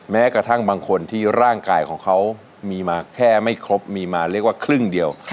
แม้กระทั่งบางคนที่ร่างกายของเขามีมาแค่ไม่ครบมีมาเรียกว่าครึ่งเดียว